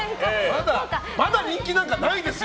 まだ人気なんかないですよ！